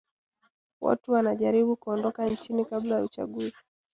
Watu wanajaribu kuondoka nchini kabla ya uchaguzi